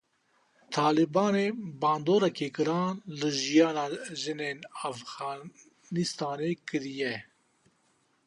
Talibanê bandoreke giran li jiyana jinên Efxanistanê kiriye.